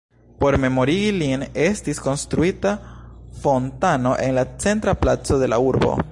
Por memorigi lin estis konstruita fontano en la centra placo de la urbo.